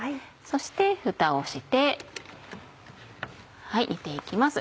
そしてふたをして煮て行きます。